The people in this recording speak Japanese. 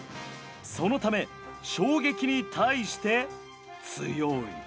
そのため衝撃に対して強い。